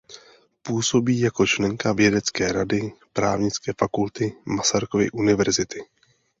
Působí jako členka Vědecké rady Právnické fakulty Masarykovy univerzity.